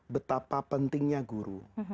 betapa pentingnya guru